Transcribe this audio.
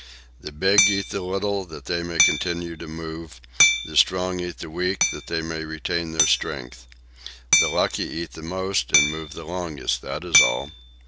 The big eat the little that they may continue to move, the strong eat the weak that they may retain their strength. The lucky eat the most and move the longest, that is all.